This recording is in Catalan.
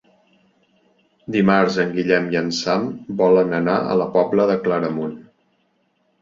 Dimarts en Guillem i en Sam volen anar a la Pobla de Claramunt.